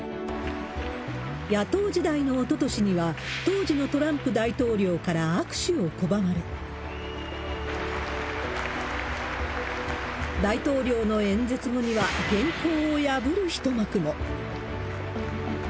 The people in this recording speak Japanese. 野党時代のおととしには、当時のトランプ大統領から握手を拒まれ、大統領の演説後には、原稿を破る一幕も。